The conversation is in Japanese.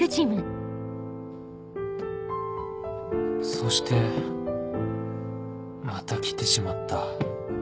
そしてまた来てしまった